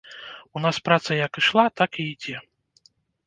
У нас праца як ішла, так і ідзе.